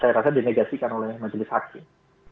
saya rasa dinegasikan oleh majelis hakim